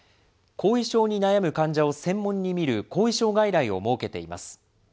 後遺症に悩む患者を専門に診る後遺症外来を設けています。